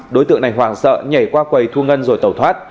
đối tượng này hoàng sợ nhảy qua quầy thu ngân rồi tẩu thoát